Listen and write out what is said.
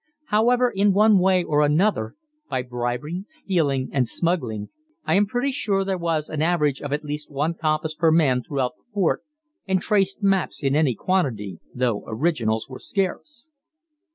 However, in one way or another, by bribery, stealing, and smuggling, I am pretty sure there was an average of at least one compass per man throughout the fort, and traced maps in any quantity, though originals were scarce.